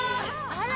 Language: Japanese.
あら！